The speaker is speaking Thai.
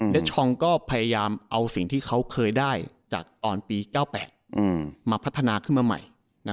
และชองก็พยายามเอาสิ่งที่เขาเคยได้จากอ่อนปี๙๘มาพัฒนาขึ้นมาใหม่